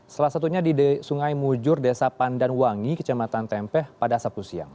salah satunya di sungai mujur desa pandanwangi kecamatan tempeh pada sabtu siang